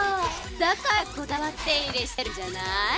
だからこだわって手入れしてるんじゃない？